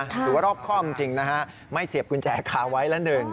หรือว่ารอบคอบจริงนะฮะไม่เสียบกุญแจคาไว้ละ๑